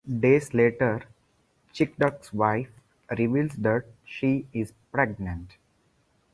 Days later, Chidduck's wife reveals that she is pregnant.